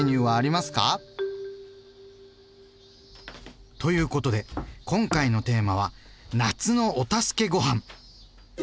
なになに？ということで今回のテーマは「夏のお助けごはん」。